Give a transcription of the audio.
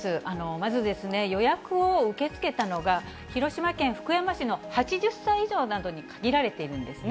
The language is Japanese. まずですね、予約を受け付けたのが、広島県福山市の８０歳以上などに限られているんですね。